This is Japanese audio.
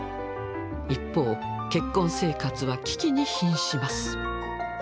一方結婚生活は危機にひんします。